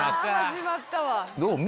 始まったわ。